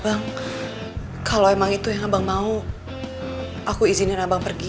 bang kalau memang itu yang abang mau aku izinkan abang pergi